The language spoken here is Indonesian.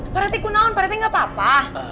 pak reti aku naun pak reti gak apa apa